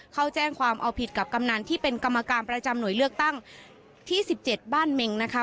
เขาแจ้งความเอาผิดกับกำนันที่เป็นกรรมการประจำหน่วยเลือกตั้งที่๑๗บ้านเมงนะคะ